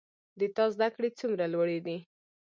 د تا زده کړي څومره لوړي دي